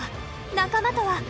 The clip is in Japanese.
仲間とは？